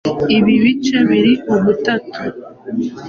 Ibi bice biri ugutatu :